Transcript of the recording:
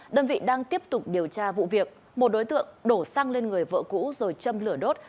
đơn vị đang tiếp tục điều tra vụ việc một đối tượng đổ xăng lên người vợ cũ rồi châm lửa đốt